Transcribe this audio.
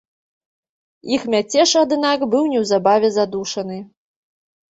Іх мяцеж, аднак, быў неўзабаве задушаны.